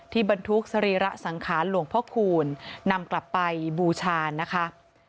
บรรทุกสรีระสังขารหลวงพ่อคูณนำกลับไปบูชานะคะ